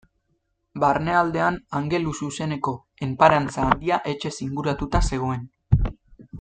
Barnealdean angeluzuzeneko enparantza handia etxez inguratuta zegoen.